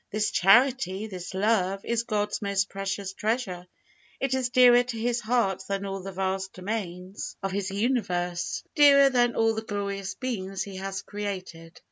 This Charity this love is God's most precious treasure; it is dearer to His heart than all the vast domains of His universe dearer than all the glorious beings He has created.